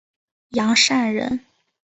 杨善人。